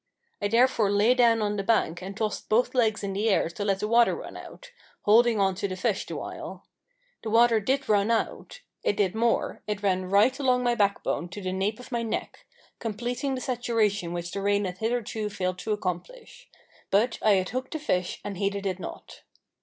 I therefore lay down on the bank and tossed both legs in the air to let the water run out holding on to the fish the while. The water did run out it did more; it ran right along my backbone to the nape of my neck; completing the saturation which the rain had hitherto failed to accomplish. But I had hooked a fish and heeded it not.